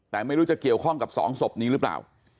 แต่ไม่รู้จะเกี่ยวข้องกับสองศพนี้หรือเปล่า